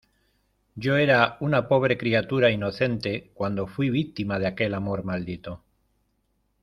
yo era una pobre criatura inocente cuando fuí víctima de aquel amor maldito.